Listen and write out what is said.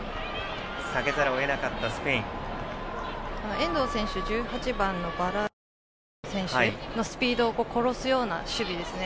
遠藤選手１８番のパラリュエロ選手のスピードを殺すような守備ですね。